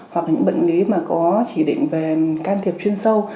hoặc những bệnh lý có chỉ định về can thiệp chuyên sâu